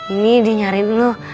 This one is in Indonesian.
ini dia nyariin lu